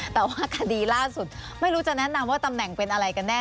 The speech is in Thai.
แต่ว่าคดีล่าสุดไม่รู้จะแนะนำว่าตำแหน่งเป็นอะไรกันแน่